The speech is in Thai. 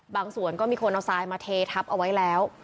บางส่วนก็มีคนเอาทรายมาเททับเอาไว้แล้ว